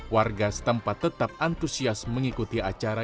warga setempat tetap antusias mengikuti acara